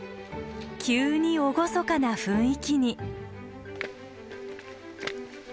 急に厳かな雰囲気に。